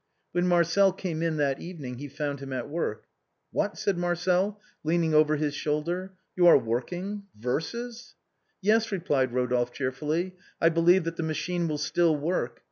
When Marcel came in that evening he found him at work. " What !" said Marcel, leaning over his shoulder. " You are working — verses ?"" Yes," replied Eodolphe cheerfully ;" I believe that the machine will still work.